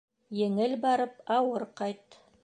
Еңел барып ауыр ҡайт